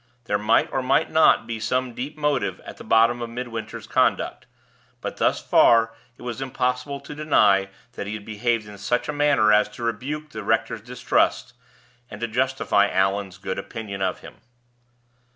There might or might not be some deep motive at the bottom of Midwinter's conduct; but thus far it was impossible to deny that he had behaved in such a manner as to rebuke the rector's distrust, and to justify Allan's good opinion of him.